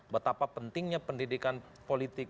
betapa pentingnya pendidikan politik